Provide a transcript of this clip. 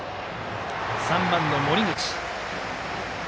３番の森口。